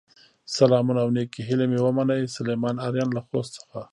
سلامونه او نیکې هیلې مې ومنئ، سليمان آرین له خوست څخه